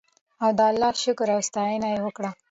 او د الله شکر او ستاینه یې وکړه.